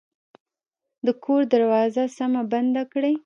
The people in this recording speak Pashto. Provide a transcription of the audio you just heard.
د کور دروازه سمه بنده کړئ